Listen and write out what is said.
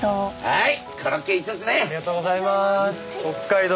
はい。